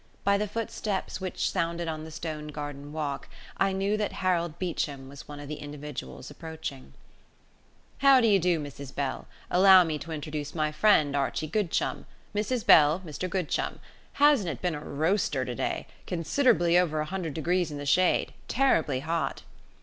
By the footsteps which sounded on the stoned garden walk, I knew that Harold Beecham was one of the individuals approaching. "How do you do, Mrs Bell? Allow me to introduce my friend, Archie Goodchum. Mrs Bell, Mr Goodchum. Hasn't it been a roaster today? Considerably over 100 degrees in the shade. Terribly hot!"